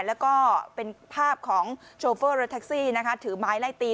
แล้วก็เป็นภาพของโชเฟอร์รถแท็กซี่นะคะถือไม้ไล่ตี